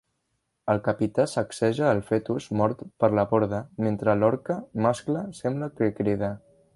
El capità sacseja el fetus mort per la borda mentre l'orca mascle sembla que crida.